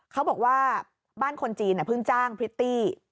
เขาบอกว่าบ้านคนจีนเพิ่งจ้างพริตตี้